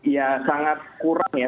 ya sangat kurang ya